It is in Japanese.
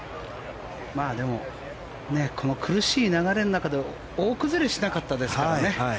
でも苦しい流れの中で大崩れしなかったですからね。